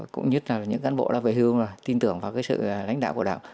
cũng như những cán bộ về hương tin tưởng vào sự lãnh đạo của đảng